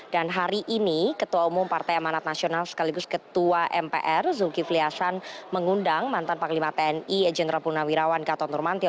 dan hari ini ketua umum partai emanat nasional sekaligus ketua mpr zulkifli hasan mengundang mantan paklima pni general puna wirawan gatot nurmantia